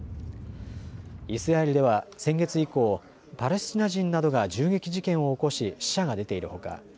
イスラエルでは先月以降、パレスチナ人などが銃撃事件を起こし死者が出ているほか